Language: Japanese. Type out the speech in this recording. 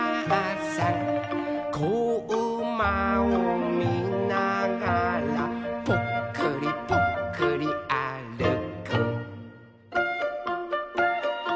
「こうまをみながらぽっくりぽっくりあるく」